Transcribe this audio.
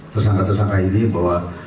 tersangka tersangka ini bahwa